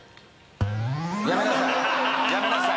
やめなさい！